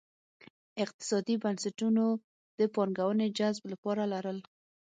اقتصادي بنسټونو د پانګونې جذب لپاره لرل.